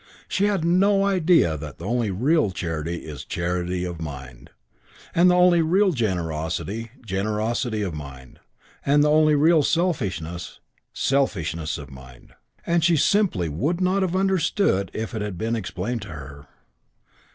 She had no idea that the only real charity is charity of mind, and the only real generosity generosity of mind, and the only real selfishness selfishness of mind. And she simply would not have understood it if it had been explained to her.